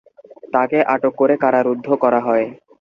তাকে আটক করে কারারুদ্ধ করা হয়।